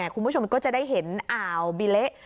คุณผู้ชมก็จะได้เห็นอ่าวบิเละ